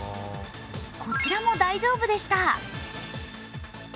こちらも大丈夫でした。